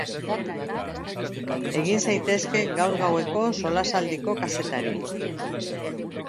Egin zaitezte gaur gaueko solasaldiko kazetari!